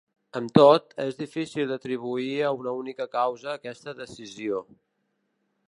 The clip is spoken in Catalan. Amb tot, és difícil d’atribuir a una única causa aquesta decisió.